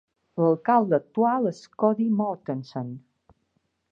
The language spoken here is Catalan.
L'alcalde actual és Cody Mortensen.